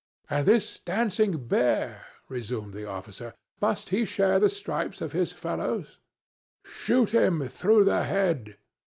"And this dancing bear?" resumed the officer. "Must he share the stripes of his fellows?" "Shoot him through the head!"